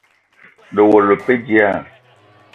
Lewela le pe dilaah?